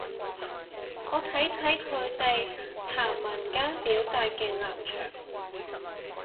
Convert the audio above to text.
我睇睇佢哋行文間表達嘅立場